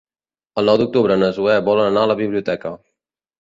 El nou d'octubre na Zoè vol anar a la biblioteca.